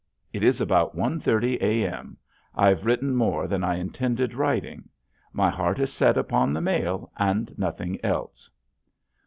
It is about one thirty A. M. I've written more than I intended writing. My heart is set upon the mail and nothing else.